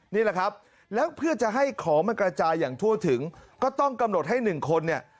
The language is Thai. นี่แหละครับแล้วเพื่อจะให้ของมันกระจายอย่างทั่วถึงก็ต้องกำหนดให้หนึ่งคนเนี่ย